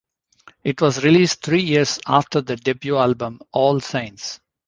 It was released three years after their debut album, "All Saints".